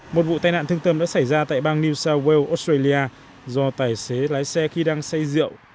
một vụ tai nạn thương tâm đã xảy ra tại bang new south wales australia do tài xế lái xe khi đang say rượu